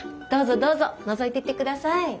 どうぞどうぞのぞいてってください。